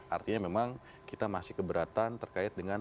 artinya memang kita masih keberatan terkait dengan